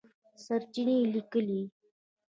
سرچېنې لیکلي